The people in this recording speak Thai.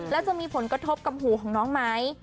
แล้วจะมีผลกระทบกับหูของน้องไหม